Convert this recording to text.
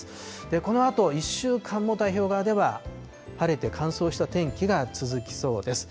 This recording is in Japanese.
このあと、１週間も太平洋側では晴れて乾燥した天気が続きそうです。